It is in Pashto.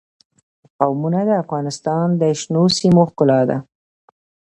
قومونه د افغانستان د شنو سیمو ښکلا ده.